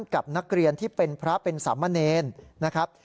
กับนักเรียนที่เป็นพระเป็นสามเณรนะครับ